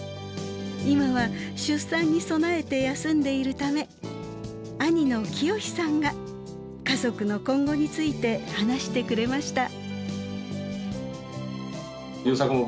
今は出産に備えて休んでいるため兄の聖志さんが家族の今後について話してくれました。